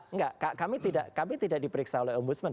enggak kami tidak diperiksa oleh om busman